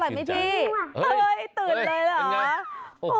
อร่อยมั้ยพี่ตื่นเลยเหรอ